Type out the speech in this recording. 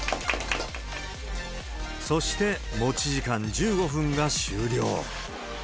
そして持ち時間１５分が終了。